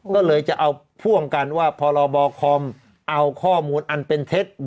ก็เลยจะเอาพ่วงกันว่าพรบคอมเอาข้อมูลอันเป็นเท็จ